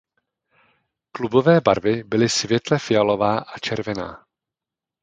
Klubové barvy byly světle fialová a červená.